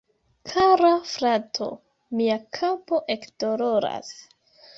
Kara frato, mia kapo ekdoloras